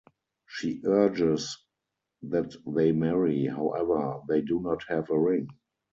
She urges that they marry; however, they do not have a ring.